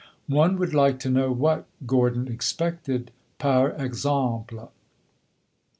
One would like to know what Gordon expected, par exemple!